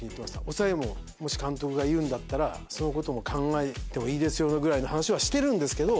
抑えももし監督が言うんだったらその事も考えてもいいですよぐらいの話はしてるんですけど。